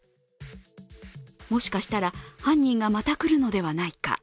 もしかしたら、犯人がまた来るのではないか。